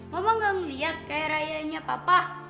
mama gak melihat kayak rayanya papa